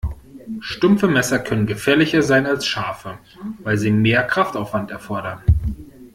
Stumpfe Messer können gefährlicher sein als scharfe, weil sie mehr Kraftaufwand erfordern.